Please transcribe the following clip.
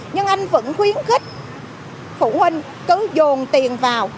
nhưng anh vẫn khuyến khích phụ huynh cứ dồn tiền vào